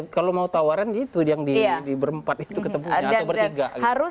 kalau mau tawaran itu yang di berempat itu ketemu